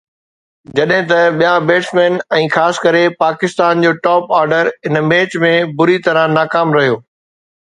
جڏهن ته ٻيا بيٽسمين ۽ خاص ڪري پاڪستان جو ٽاپ آرڊر ان ميچ ۾ بُري طرح ناڪام رهيو